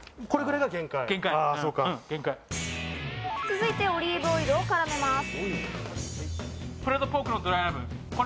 続いてオリーブオイルをからめます。